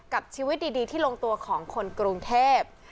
กับชีวิตดีที่ลงตัวของคนกรุงเทพ